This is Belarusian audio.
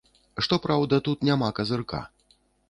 Што праўда, тут няма казырка.